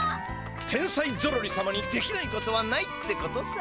天才ゾロリ様にできないことはないってことさ。